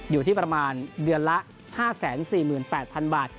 อยู่ที่ประมาณเดือนละ๕๔๘๐๐๐บาท